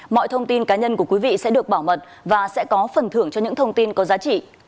mọi thông tin cá nhân của quý vị sẽ được bảo mật và sẽ có phần thưởng cho những thông tin có giá trị